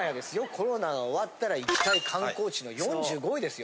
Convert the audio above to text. コロナが終わったら行きたい観光地の４５位ですよ。